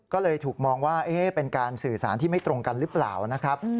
ก็เลยถูกมองว่าเป็นการสื่อสารที่ไม่ตรงกันหรือเปล่านะครับ